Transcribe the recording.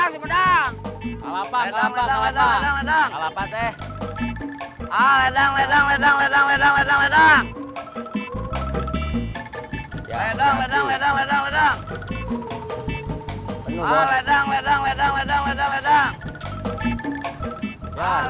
sebelum sebelumnya signal perubahanport